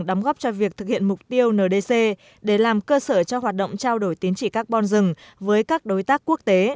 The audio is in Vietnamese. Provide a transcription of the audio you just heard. đóng góp cho việc thực hiện mục tiêu ndc để làm cơ sở cho hoạt động trao đổi tiến trị carbon rừng với các đối tác quốc tế